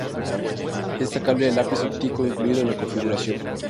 Es destacable el lápiz óptico incluido en la configuración.